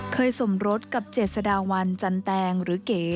สมรสกับเจษฎาวันจันแตงหรือเก๋